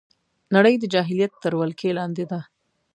نړۍ د جاهلیت تر ولکې لاندې ده